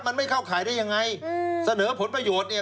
มันไม่เข้าข่ายได้ยังไงอืมเสนอผลประโยชน์เนี่ย